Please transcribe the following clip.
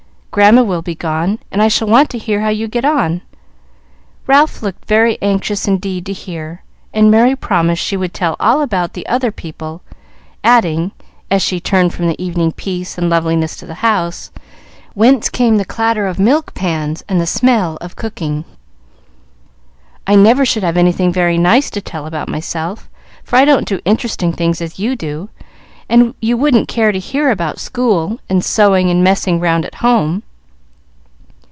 Grandma will be gone, and I shall want to hear how you get on." Ralph looked very anxious indeed to hear, and Merry promised she would tell all about the other people, adding, as she turned from the evening peace and loveliness to the house, whence came the clatter of milk pans and the smell of cooking, "I never should have anything very nice to tell about myself, for I don't do interesting things as you do, and you wouldn't care to hear about school, and sewing, and messing round at home."